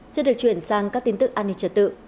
xin được chuyển sang các tin tức an ninh trật tự